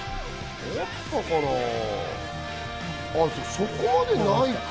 そこまでないか。